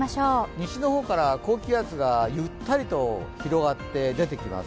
西の方から高気圧がゆったりと広がって出てきます。